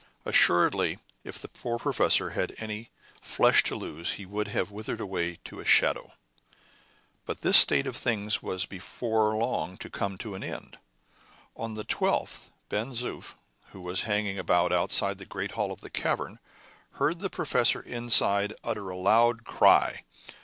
Assuredly, if the poor professor had had any flesh to lose he would have withered away to a shadow. But this state of things was before long to come to an end. On the 12th, Ben Zoof, who was hanging about outside the great hall of the cavern, heard the professor inside utter a loud cry.